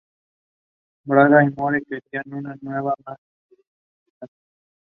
The area was settled during the Merovingian times.